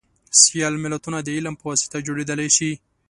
سیال ملتونه دعلم په واسطه جوړیدلی شي